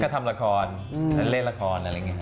ก็ทำละครเล่นละครอะไรอย่างนี้